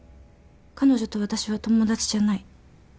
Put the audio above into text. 彼女と私は友達じゃない。